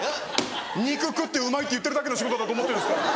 肉食って「うまい」って言ってるだけの仕事だと思ってるんですから。